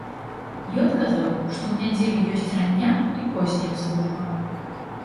Ён казаў, што ў нядзелю ёсць рання і позняя служба.